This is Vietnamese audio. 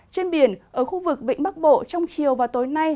trên biển ở khu vực vịnh bắc bộ trong chiều và tối nay